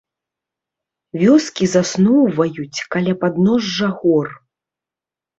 Вёскі засноўваюць каля падножжа гор.